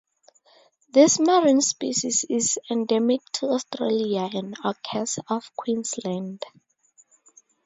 This marine species is endemic to Australia and occurs off Queensland.